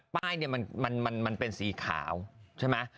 ป้ายเนี่ยมันเป็นสีขาวใช่ไหม